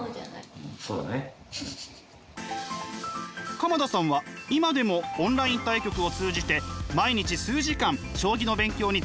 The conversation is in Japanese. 鎌田さんは今でもオンライン対局を通じて毎日数時間将棋の勉強に費やしています。